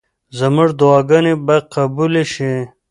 زموږ دعاګانې به قبولې شي.